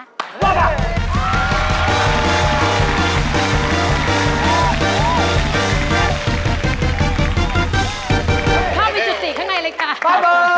เข้าไปจุดตีกข้างในเลยค่ะ